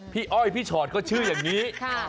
อ้อยพี่ชอตก็ชื่ออย่างนี้